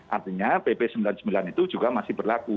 artinya pp sembilan puluh sembilan itu juga masih berlaku